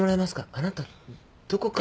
あなたどこか。